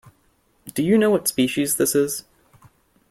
Do you know what species this is?